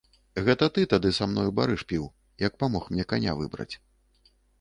Гэта ты тады са мною барыш піў, як памог мне каня выбраць.